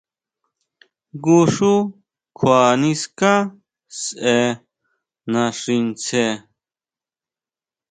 Jngu xú kjua niská sʼe naxi ntsje.